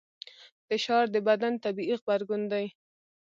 فشار د بدن طبیعي غبرګون دی.